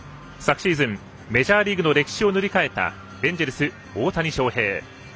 昨シーズン、メジャーリーグの歴史を塗り替えたエンジェルス、大谷翔平。